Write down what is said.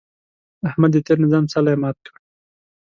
احمد د تېر نظام څلی مات کړ.